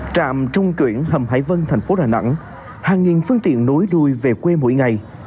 trạm trung chuyển hầm hải vân thành phố đà nẵng hàng nghìn phương tiện nối đuôi về quê mỗi ngày